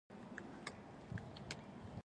زرغون خان نورزى دېوان لرونکی شاعر دﺉ.